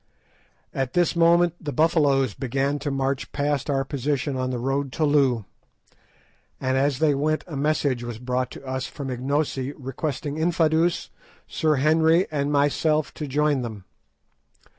At this moment the Buffaloes began to march past our position on the road to Loo, and as they went a message was brought to us from Ignosi requesting Infadoos, Sir Henry, and myself to join them.